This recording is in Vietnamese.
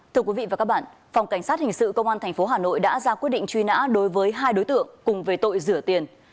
thưa quý vị và các bạn phòng cảnh sát hình sự công an tp hà nội đã ra quyết định truy nã đối với hai đối tượng cùng về tội rửa tiền